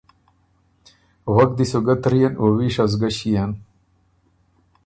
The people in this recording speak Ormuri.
وک دی سو ګۀ ترئېن او ویشه سو ګۀ ݭيېن۔